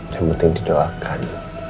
yang penting didoakan